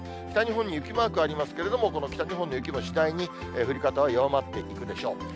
北日本に雪マークありますけれども、この北日本の雪も次第に降り方は弱まっていくでしょう。